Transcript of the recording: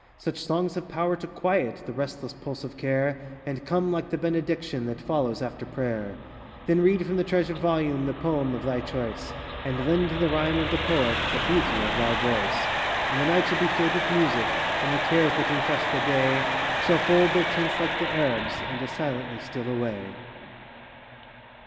Such songs have power to quiet The restless pulse of care, And come like the benediction That follows after prayer. Then read from the treasured volume The poem of thy choice, And lend to the rhyme of the poet The beauty of thy voice. And the night shall be filled with music, And the cares that infest the day Shall fold their tents like the Arabs, And as silently steal away.